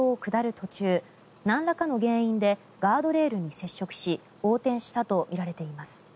途中なんらかの原因でガードレールに接触し横転したとみられています。